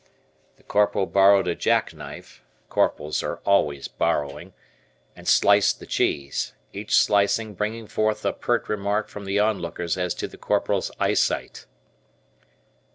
The Corporal borrowed a jackknife (corporals are always borrowing), and sliced the cheese, each slicing bringing forth a pert remark from the on lookers as to the Corporal's eyesight.